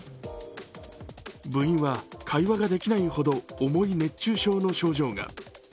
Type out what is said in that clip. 部員は会話ができないほど重い熱中症の症状が。